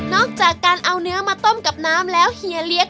อกจากการเอาเนื้อมาต้มกับน้ำแล้วเฮียเลี้ยง